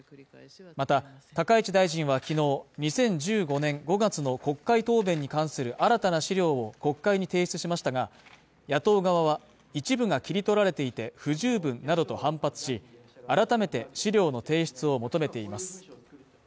また、高市大臣は昨日２０１５年５月の国会答弁に関する新たな資料を国会に提出しましたが、野党側は一部が切り取られていて、不十分などと反発し、改めて資料の提出を求めています。